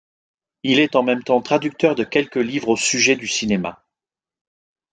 Il est en même temps traducteur de quelques livres au sujet du cinéma.